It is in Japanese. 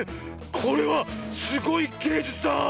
これはすごいげいじゅつだ！